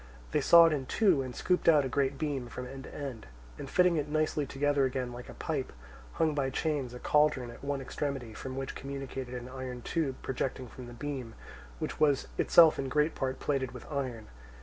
They sawed in two and scooped out a great beam from end to end, and fitting it nicely together again like a pipe, hung by chains a cauldron at one extremity, with which communicated an iron tube projecting from the beam, which was itself in great part plated with iron.